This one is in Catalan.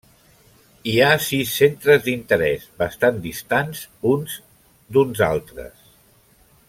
Hi ha sis centres d'interès, bastant distants uns d'uns altres.